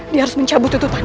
dia harus mencabut tutupannya